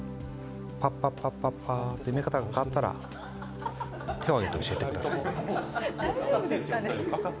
パッパッパっと見え方が変わったら手を挙げて教えてください。